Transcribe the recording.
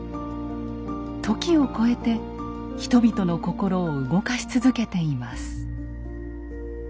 時を超えて人々の心を動かし続けています。